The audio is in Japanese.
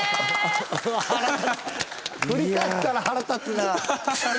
腹立つ振り返ったら腹立つな！